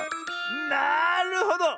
なるほど！